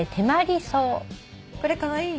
これカワイイ。